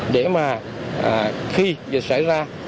để mà khi dịch xảy ra